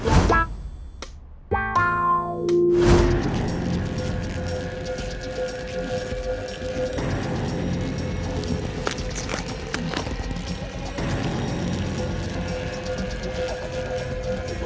โอเค